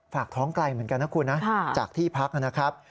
ฝากท้องไกลเหมือนกันนะคุณนะจากที่พักนะครับ